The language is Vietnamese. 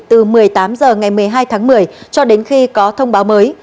từ một mươi tám h ngày một mươi hai tháng một mươi cho đến khi có thông báo mới